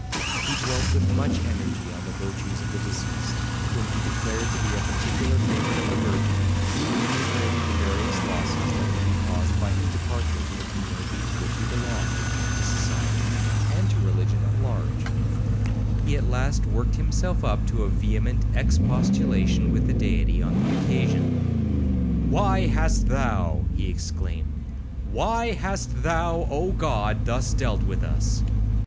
He dwelt with much energy on the virtues of the deceased, whom he declared to be a particular favourite of the Virgin; and enumerating the various losses that would be caused by his departure to the community to which he belonged, to society, and to religion at large; he at last worked up himself to a vehement expostulation with the Deity on the occasion. 'Why hast thou,' he exclaimed, 'why hast thou, Oh God! thus dealt with us?